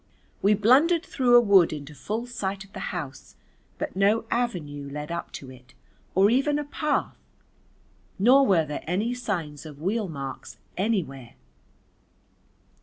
We blundered through a wood into full sight of the house, but no avenue led up to it or even a path nor were there any signs of wheel marks anywhere.